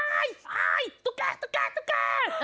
อายตุ๊กแก